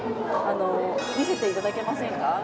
あの見せていただけませんか？